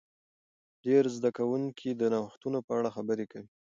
ډیر زده کوونکي د نوښتونو په اړه خبرې کوي.